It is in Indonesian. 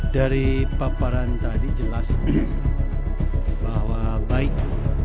dari paparan tadi juga pasti bahwa baik